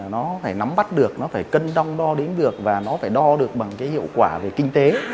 nó phải nắm bắt được nó phải cân đong đo đếm được và nó phải đo được bằng cái hiệu quả về kinh tế